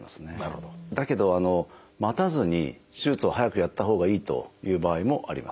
だけど待たずに手術を早くやったほうがいいという場合もあります。